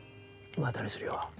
またにするよ。